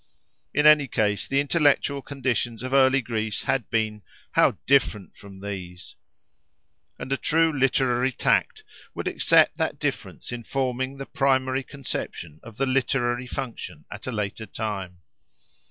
In any case, the intellectual conditions of early Greece had been—how different from these! And a true literary tact would accept that difference in forming the primary conception of the literary function at a later time.